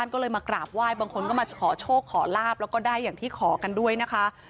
ขอราบและก็ได้อย่างที่ขอกันด้วยนะคะ